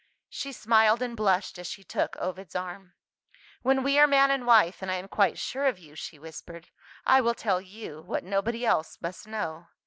She smiled and blushed as she took Ovid's arm. "When we are man and wife, and I am quite sure of you," she whispered, "I will tell you, what nobody else must know.